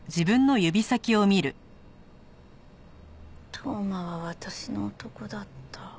当麻は私の男だった。